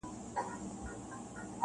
دا په جرګو کي د خبرو قدر څه پیژني-